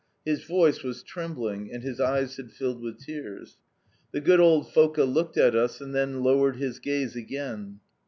his voice, was trembling, and his eyes had filled with tears. The good, old Foka looked at us, and then lowered his gaze again.